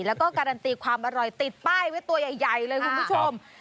แล้วก็การันตีความอร่อยติดป้ายไว้ตัวใหญ่เลยคุณผู้ชม